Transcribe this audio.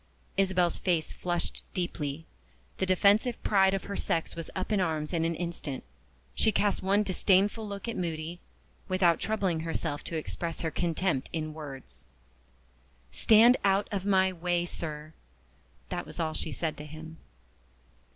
Isabel's face flushed deeply; the defensive pride of her sex was up in arms in an instant. She cast one disdainful look at Moody, without troubling herself to express her contempt in words. "Stand out of my way, sir!" that was all she said to him.